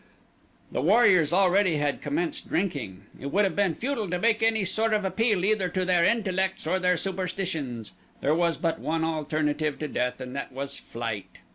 The warriors already had commenced drinking it would have been futile to make any sort of appeal either to their intellects or their superstitions. There was but one alternative to death and that was flight.